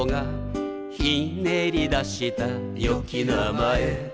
「ひねり出したよき名前」